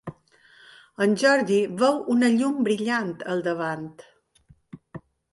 En Jordi veu una llum brillant al davant.